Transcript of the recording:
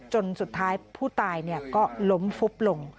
จนสุดท้ายผู้ตายก็ล้มฟุบลง